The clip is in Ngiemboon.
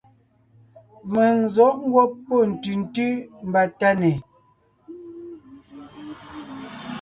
Mèŋ n zɔ̌g ngwɔ́ pɔ́ ntʉ̀ntʉ́ mbà Tánè,